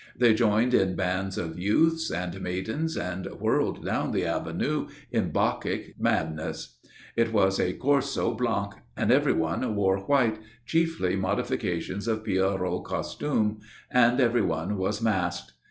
They joined in bands of youths and maidens and whirled down the Avenue in Bacchic madness. It was a corso blanc, and everyone wore white chiefly modifications of Pierrot costume and everyone was masked.